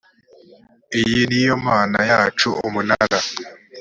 iyi ni yo mana yacu umunara